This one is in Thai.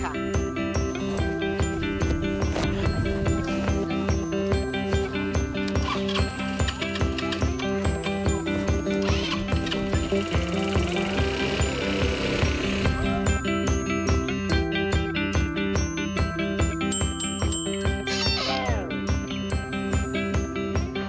แฮล่าแฮล่าแฮล่า